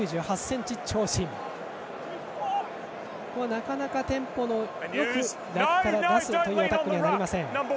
なかなかテンポよくラックから出すというアタックにはなりません。